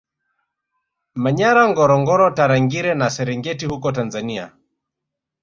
Manyara Ngorongoro Tarangire na Serengeti huko Tanzania